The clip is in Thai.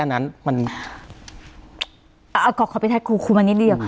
เอาขอไปบังคุณมานิดเดียว